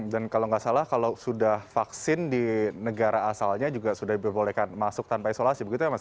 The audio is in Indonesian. dan kalau nggak salah kalau sudah vaksin di negara asalnya juga sudah diperbolehkan masuk tanpa isolasi begitu ya mas